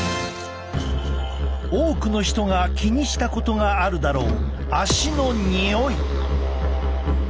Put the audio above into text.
多くの人が気にしたことがあるだろう